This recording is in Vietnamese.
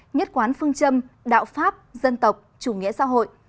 nhất quán phương châm đạo pháp dân tộc chủ nghĩa xã hội